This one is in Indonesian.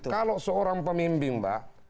kalau seorang pemimpin pak